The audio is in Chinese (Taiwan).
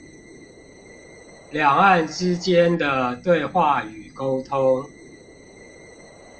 兩岸之間的對話與溝通